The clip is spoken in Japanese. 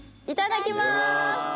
いただきます。